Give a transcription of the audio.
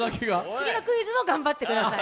次のクイズも頑張ってください。